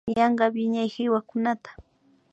Yanka wiñay kiwakunata